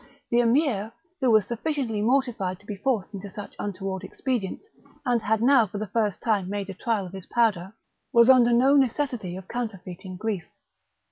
The Emir, who was sufficiently mortified to be forced into such untoward expedients, and had now for the first time made a trial of his powder, was under no necessity of counterfeiting grief.